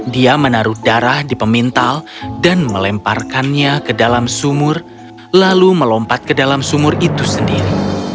dia menaruh darah di pemintal dan melemparkannya ke dalam sumur lalu melompat ke dalam sumur itu sendiri